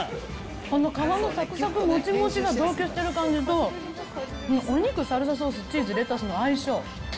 この皮のさくさく、もちもちが同居してる感じと、お肉、サルサソース、チーズ、レタスの相性。